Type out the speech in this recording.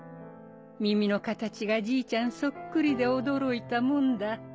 耳の形がじいちゃんそっくりで驚いたもんだ。